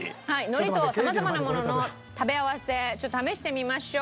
海苔と様々なものの食べ合わせちょっと試してみましょう。